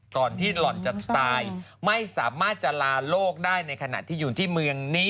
ก่อนที่หล่อนจะตายไม่สามารถจะลาโลกได้ในขณะที่อยู่ที่เมืองนี้